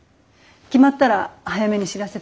決まったら早めに知らせてね。